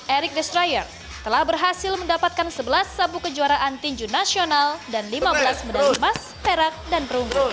erik destroyer telah berhasil mendapatkan sebelas sabu kejuaraan tinju nasional dan lima belas medan limas perak dan perunggung